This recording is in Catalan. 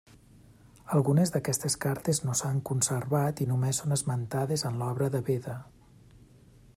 Algunes d'aquestes cartes no s'han conservat i només són esmentades en l'obra de Beda.